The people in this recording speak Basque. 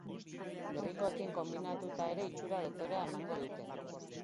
Gerrikoekin konbinatuta ere itxura dotorea emango dute.